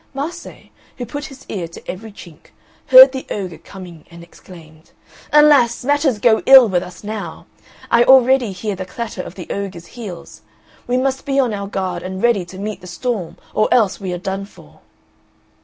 Mase, who put his ear to every chink, heard the ogre coming and exclaimed, "Alas! matters go ill with us now. I already hear the clatter of the ogre's heels. We must be on our guard and ready to meet the storm or else we are done for."